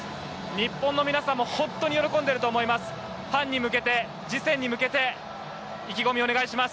日本の皆さんも本当に喜んでいると思います。